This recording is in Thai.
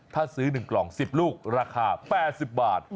ถ้าซื้อ๑กล่อง๑๐ลูกราคา๘๐บาท